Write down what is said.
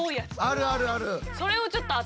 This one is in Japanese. あるあるある。